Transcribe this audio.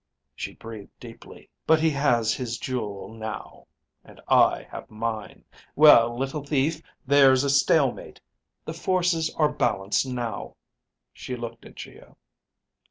She breathed deeply. "But he has his jewel now, and I have mine. Well, little thief, there's a stalemate. The forces are balanced now." She looked at Geo.